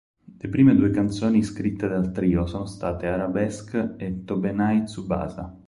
Le prime due canzoni scritte dal trio sono state "Arabesque" e "Tobenai tsubasa".